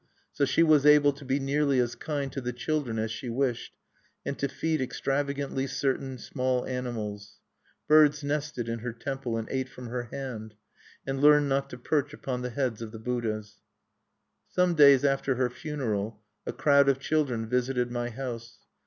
So she was able to be nearly as kind to the children as she wished, and to feed extravagantly certain small animals. Birds nested in her temple, and ate from her hand, and learned not to perch upon the heads of the Buddhas. Some days after her funeral, a crowd of children visited my house.